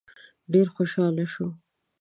ډېر خوشاله شو.